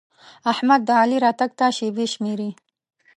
احمد د علي راتګ ته شېبې شمېري.